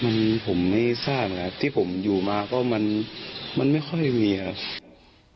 มันผมไม่ทราบครับที่ผมอยู่มาก็มันไม่ค่อยมีครับ